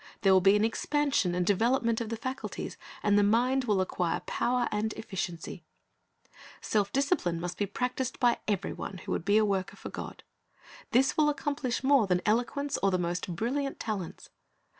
There will be an expansion and development of the faculties, and the mind will acquire power and efficiency. Talents 33^ Self discipline must be practised by every one who would be a worker for God. This will accomplish more than eloquence or the most brilliant talents.